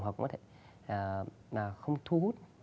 hoặc là không thu hút